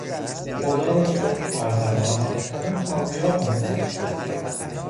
خدا را شکر فرزندانم همه کامیاب هستند.